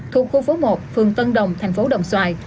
thuộc khu phố một phường tân đồng thành phố đồng xoài